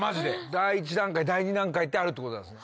第１段階第２段階ってあるってことなんすね？